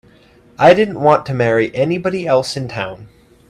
I didn't want to marry anybody else in town.